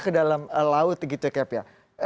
ke dalam laut gitu cap ya